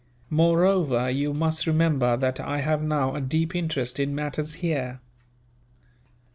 "Moreover, you must remember that I have now a deep interest in matters here.